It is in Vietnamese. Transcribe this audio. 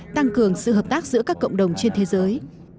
tăng cường sự hợp tác giữa các cộng đồng trên thế giới